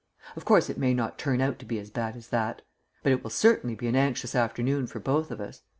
Of course, it may not turn out to be as bad as that, but it will certainly be an anxious afternoon for both of us.